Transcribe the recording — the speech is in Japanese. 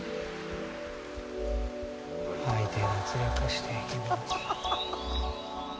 吐いて、脱力していきます。